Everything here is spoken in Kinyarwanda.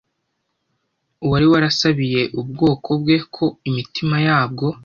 Uwari warasabiye ubwoko bwe ko imitima yabwo